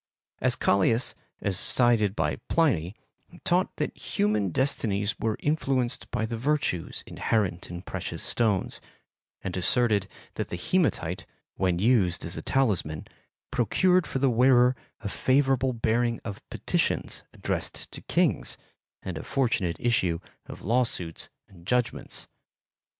Azchalias, as cited by Pliny taught that human destinies were influenced by the virtues inherent in precious stones, and asserted that the hematite, when used as a talisman, procured for the wearer a favorable hearing of petitions addressed to kings and a fortunate issue of lawsuits and judgments.